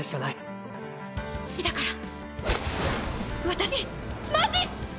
私マジ！